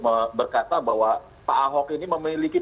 mengatakan bahwa pak ahok ini memiliki